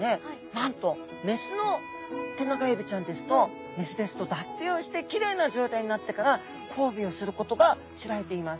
なんと雌のテナガエビちゃんですと雌ですと脱皮をしてキレイな状態になってから交尾をすることが知られています！